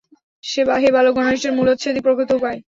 হে বালকগণ, অনিষ্টের মূলোচ্ছেদই প্রকৃত উপায়।